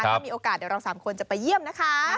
ถ้ามีโอกาสเดี๋ยวเรา๓คนจะไปเยี่ยมนะคะ